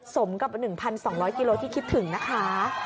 สมกับ๑๒๐๐กิโลที่คิดถึงนะคะ